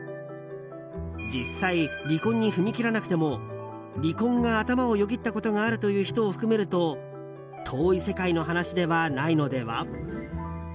実際、離婚に踏み切らなくても離婚が頭をよぎったことがあるという人を含めると遠い世界の話ではないのでは？